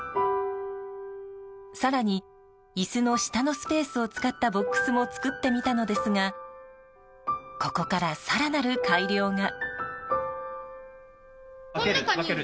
更に、椅子の下のスペースを使ったボックスも作ってみたのですがここから更なる改良が。